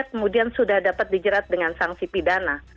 kemudian sudah dapat dijerat dengan sanksi pidana